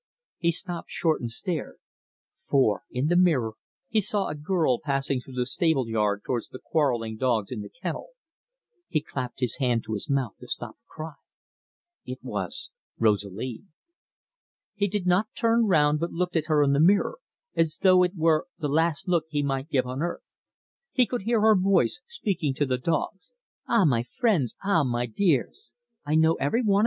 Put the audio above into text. He stopped short and stared, for, in the mirror, he saw a girl passing through the stable yard towards the quarrelling dogs in the kennel. He clapped his hand to his mouth to stop a cry. It was Rosalie. He did not turn round but looked at her in the mirror, as though it were the last look he might give on earth. He could hear her voice speaking to the dogs: "Ah, my friends, ah, my dears! I know you every one.